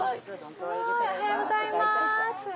おはようございます。